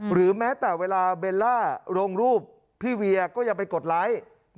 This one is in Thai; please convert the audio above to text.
หรือแม้แต่เวลาเบลล่าลงรูปพี่เวียก็ยังไปกดไลค์